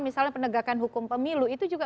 misalnya penegakan hukum pemilu itu juga